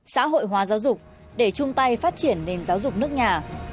xã hội hóa giáo dục để chung tay phát triển nền giáo dục nước nhà